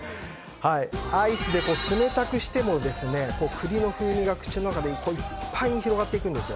アイスで冷たくしても栗の風味が口の中いっぱいに広がっていくんですよ。